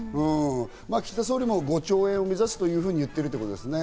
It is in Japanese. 岸田総理も５兆円を目指すというふうに言ってるということですね。